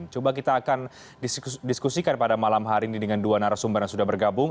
coba kita akan diskusikan pada malam hari ini dengan dua narasumber yang sudah bergabung